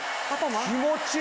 気持ちいい！